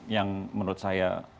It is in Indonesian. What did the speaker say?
yang menurut saya